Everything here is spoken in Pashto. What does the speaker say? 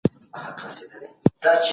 زموږ خبره نه اوري څوك